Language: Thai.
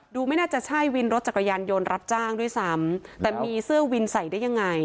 ไม่น่าจะใช่วินรถจักรยานยนต์รับจ้างด้วยซ้ำแต่มีเสื้อวินใส่ได้ยังไง